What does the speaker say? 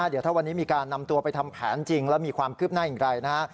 เดี๋ยวถ้าวันนี้มีการนำตัวไปทำแผนจริงแล้วมีความคืบหน้าอย่างไรนะฮะ